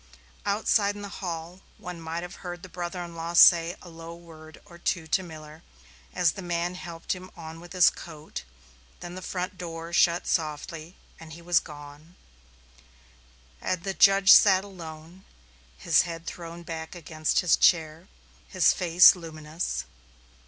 Outside in the hall one might have heard the brother in law say a low word or two to Miller as the man helped him on with his coat; then the front door shut softly, and he was gone, and the judge sat alone, his head thrown back against his chair, his face luminous.